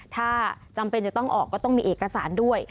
ถ้าจำเป็นจะต้องออกก็ต้องมีเอกสารด้วย